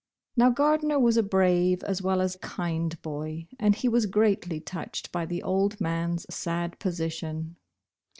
Xow Gardner was a brave as well as kind bov, and he was greatly touched by the old man s sad position.